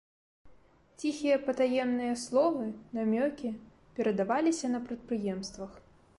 Ціхія патаемныя словы, намёкі перадаваліся на прадпрыемствах.